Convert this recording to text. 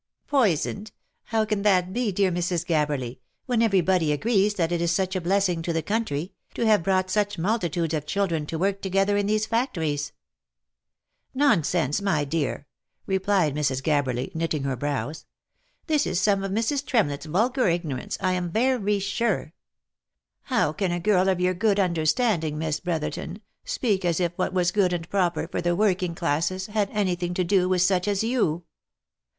"Poisoned? How can that be, dear Mrs. Gabberly, when every body agrees that it is such a blessing to the country, to have brought such multitudes of children to work together in these factories ?'' Nonsense, my dear V' replied Mrs. Gabberly, knitting her brows. " This is some of Mrs. Tremlett's vulgar ignorance, I am very sure. How can a girl of your good understanding, Miss Brotherton, speak as if what was good and proper for the working classes, had any thing to do with such as you.